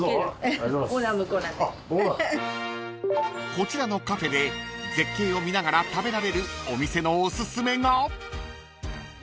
［こちらのカフェで絶景を見ながら食べられるお店のおすすめが］